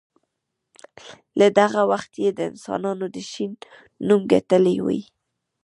له دغه وخته یې د انسانانو د شهین نوم ګټلی وي.